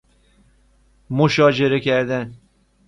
مشاجره کردن